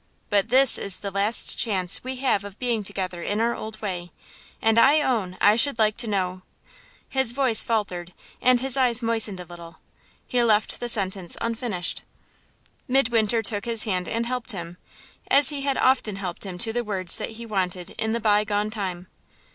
But this is the last chance we have of being together in our old way; and I own I should like to know " His voice faltered, and his eyes moistened a little. He left the sentence unfinished. Midwinter took his hand and helped him, as he had often helped him to the words that he wanted in the by gone time.